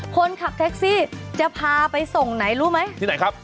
คนขับแท็กซี่จะพาไปส่งไหนรู้ไหมที่ไหนครับ